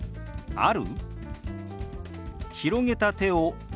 「ある？」。